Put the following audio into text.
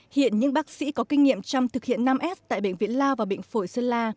hiện những bác sĩ có kinh nghiệm trong thực hiện năm s tại bệnh viện lao và bệnh phổi sơn la